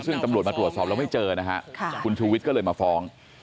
ซึ่งตำรวจมาตรวจสอบแล้วไม่เจอนะฮะคุณชูวิทย์ก็เลยมาฟ้อง